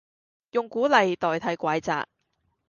用鼓勵代替怪責